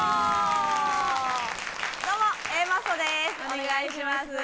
お願いします